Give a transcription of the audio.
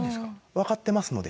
わかってますので。